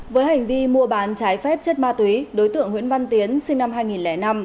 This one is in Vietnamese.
với hành vi mua bán trái phép chất ma túy đối tượng nguyễn văn tiến sinh năm hai nghìn năm